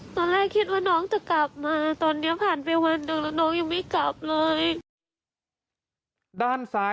ถ้าเจอน้องมณีน้องตัวสีเทานะ